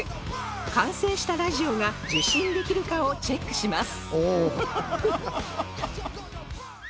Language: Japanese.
完成したラジオが受信できるかをチェックします